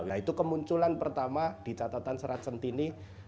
nah itu kemunculan pertama di catatan serat sentini